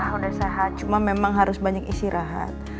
alhamdulillah pa udah sehat cuma memang harus banyak istirahat